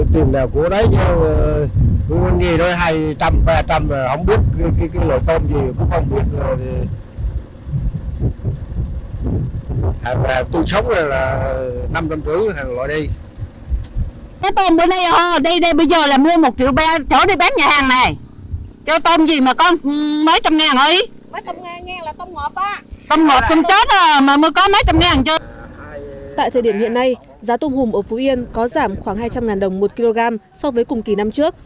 tại thời điểm hiện nay giá tôm hùm ở phú yên có giảm khoảng hai trăm linh đồng một kg so với cùng kỳ năm trước